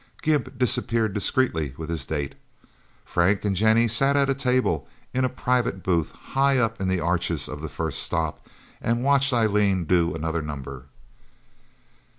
Gimp disappeared discreetly with his date. Frank and Jennie sat at a table in a private booth, high up in the arches of The First Stop, and watched Eileen do another number.